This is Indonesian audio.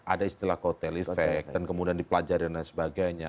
ada istilah kotel efek dan kemudian dipelajari dan lain sebagainya